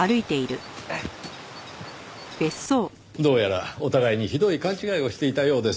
どうやらお互いにひどい勘違いをしていたようです。